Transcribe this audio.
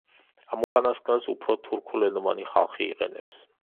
ამ უკანასკნელს უფრო თურქულენოვანი ხალხი იყენებს.